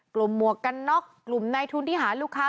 หมวกกันน็อกกลุ่มในทุนที่หาลูกค้า